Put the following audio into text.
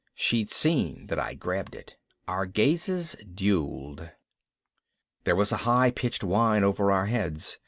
She'd seen that I'd grabbed it. Our gazes dueled. There was a high pitched whine over our heads!